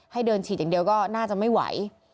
ให้เดินฉีดอย่างเดียวก็น่าจะไม่ไหว